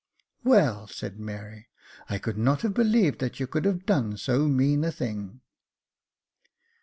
''Well," said Mary, "I could not have believed that you could have done so mean a thing."